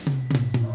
nanti mbak bisa pindah